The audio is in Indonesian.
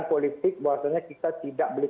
politik bahwasanya kita tidak beli